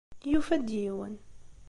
Yufa-d yiwen.